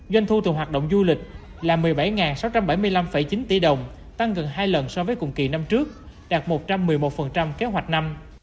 doanh thu từ hoạt động du lịch là một mươi bảy sáu trăm bảy mươi năm chín tỷ đồng tăng gần hai lần so với cùng kỳ năm trước đạt một trăm một mươi một kế hoạch năm